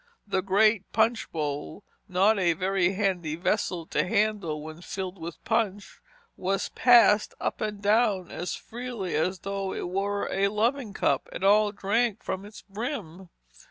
The great punch bowl, not a very handy vessel to handle when filled with punch, was passed up and down as freely as though it were a loving cup, and all drank from its brim.